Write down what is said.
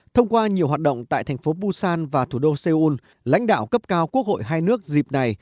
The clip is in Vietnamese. thông qua nhiều hoạt động tại thành phố busan và thủ đô seoul lãnh đạo cấp cao quốc hội hai nước dịp này